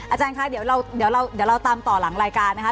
อาจารย์คะเดี๋ยวเราตามต่อหลังรายการนะคะ